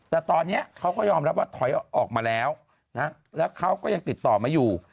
แต่ตอนนี้เขาก็ยอมรับว่าถอยออกมาแล้วแล้วเขาก็ยังติดต่อมาอยู่